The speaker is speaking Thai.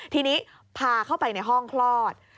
ทีนี้พาเข้าไปในห้องคลอด